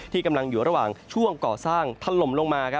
ที่กำลังอยู่ระหว่างช่วงก่อสร้างถล่มลงมา